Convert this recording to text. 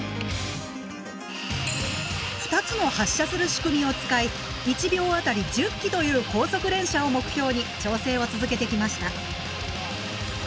２つの発射する仕組みを使い１秒当たり１０機という高速連射を目標に調整を続けてきました。